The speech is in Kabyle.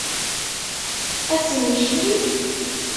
Ad temmektim?